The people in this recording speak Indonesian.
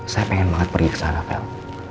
saya pengen banget pergi ke sana kan